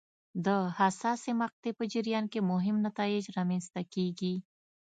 د حساسې مقطعې په جریان کې مهم نتایج رامنځته کېږي.